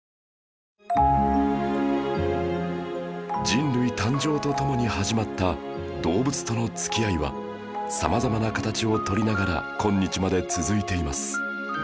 人類誕生とともに始まった動物との付き合いは様々な形を取りながら今日まで続いています